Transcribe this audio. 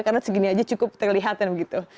karena segini aja cukup terlihat dan begitu